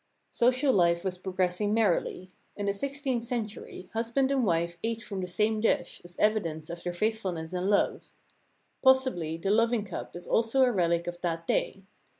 Social life was progressing merrily. In the sixteenth century, husband and wife ate from the same dish, as evi dence of their faithfulness and love. Possibly the loving cup is also a relic of that day.